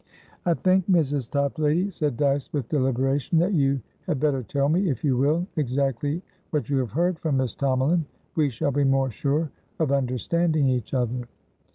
"I think, Mrs. Toplady," said Dyce, with deliberation, "that you had better tell me, if you will, exactly what you have heard from Miss Tomalin. We shall be more sure of understanding each other."